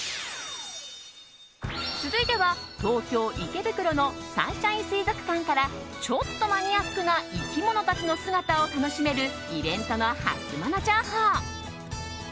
続いては、東京・池袋のサンシャイン水族館からちょっとマニアックな生き物たちの姿を楽しめるイベントのハツモノ情報。